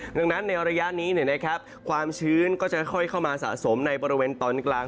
ดังนั้นในระยะนี้ความชื้นก็จะค่อยเข้ามาสะสมในบริเวณตอนกลาง